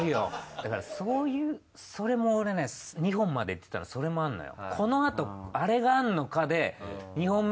だからそういうそれも俺ね２本までって言ったのそれもあるのよ。